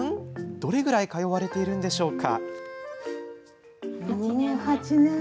どれぐらい通われているんでしょうか。